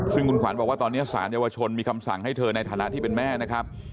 ซึ่งคุณขวัญบอกว่าตอนนี้สารเยาวชนมีคำสั่งให้เธอในฐานะที่เป็นแม่นะครับ